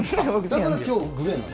だからきょう、グレーなの？